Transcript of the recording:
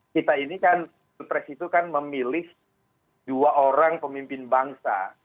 kita ini kan pres itu kan memilih dua orang pemimpin bangsa